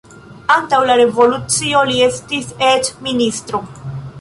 Antaŭ la revolucio li estis eĉ ministro.